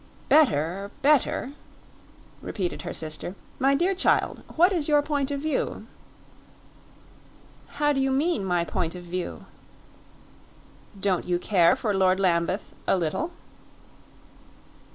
"Better better," repeated her sister. "My dear child, what is your point of view?" "How do you mean my point of view?" "Don't you care for Lord Lambeth a little?"